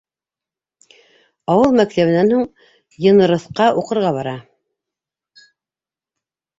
Ауыл мәктәбенән һуң, Йәнырыҫҡа уҡырға бара.